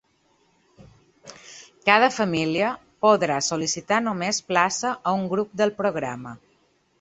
Cada família podrà sol·licitar només plaça a un grup del programa.